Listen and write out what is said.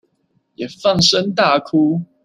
也放聲大哭